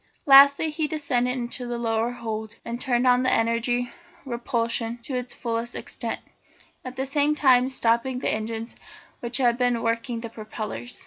Lastly he descended into the lower hold and turned on the energy of repulsion to its fullest extent, at the same time stopping the engines which had been working the propellers.